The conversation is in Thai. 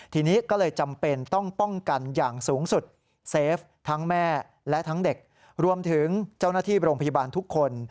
ทั้งเด็กรวมถึงเจ้าหน้าที่โรงพยาบาลทุกคน